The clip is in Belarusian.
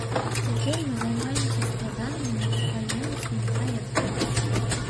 Цяпер мы займаемся складанымі навукаёмістымі праектамі.